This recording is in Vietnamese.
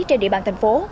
trên địa bàn thành phố